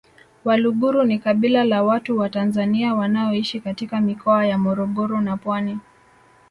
Waluguru ni kabila la watu wa Tanzania wanaoishi katika mikoa ya Morogoro na Pwani